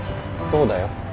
そうだよ。